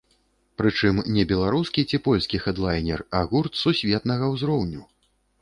Прычым, не беларускі ці польскі хэдлайнер, а гурт сусветнага ўзроўню.